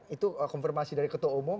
itu konfirmasi dari ketua umum